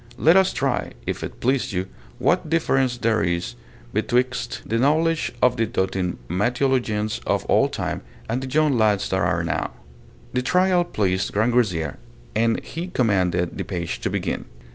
Let us try, if it please you, what difference there is betwixt the knowledge of the doting Mateologians of old time and the young lads that are now. The trial pleased Grangousier, and he commanded the page to begin.